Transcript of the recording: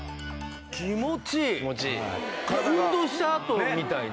気持ちいい。